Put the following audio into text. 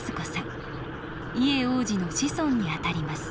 伊江王子の子孫にあたります